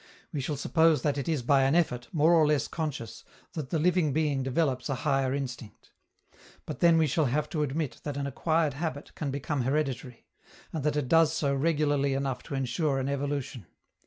We shall suppose that it is by an effort, more or less conscious, that the living being develops a higher instinct. But then we shall have to admit that an acquired habit can become hereditary, and that it does so regularly enough to ensure an evolution.